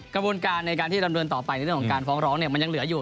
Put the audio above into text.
กระบวนการในการที่ดำเนินต่อไปในเรื่องของการฟ้องร้องมันยังเหลืออยู่